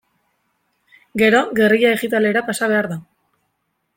Gero, gerrilla digitalera pasa behar da.